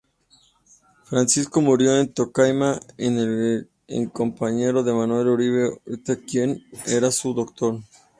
Francisco murió en Tocaima, en compañía de Manuel Uribe Ángel, quien era su doctor.